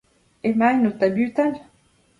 Emaint o tabutal.